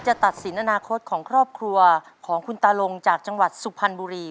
ตัดสินอนาคตของครอบครัวของคุณตาลงจากจังหวัดสุพรรณบุรี